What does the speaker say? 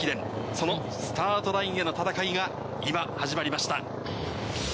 そのスタートラインへの戦いが今、始まりました。